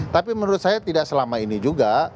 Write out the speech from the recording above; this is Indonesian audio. tapi menurut saya tidak selama ini juga